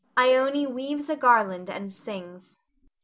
_ Ione _weaves a garland and sings.